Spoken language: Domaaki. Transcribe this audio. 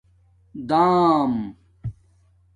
دام